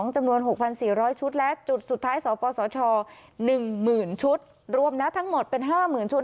จำนวน๖๔๐๐ชุดและจุดสุดท้ายสปสช๑๐๐๐ชุดรวมนะทั้งหมดเป็น๕๐๐๐ชุด